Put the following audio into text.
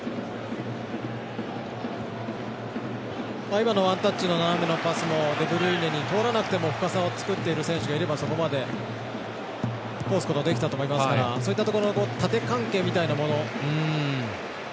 今のワンタッチの斜めのパスもデブルイネに通らなくても深さを作っている選手がいれば通すことができたと思いますからそういったところの縦関係みたいなもの。